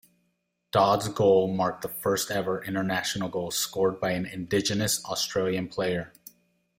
Dodd's goal marked the first ever international goal scored by an Indigenous Australian player.